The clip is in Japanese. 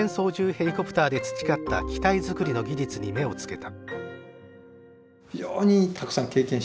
ヘリコプターで培った機体作りの技術に目をつけた。